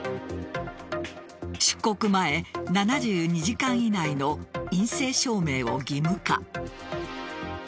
出国前７２時間以内の陰性証明を義務化。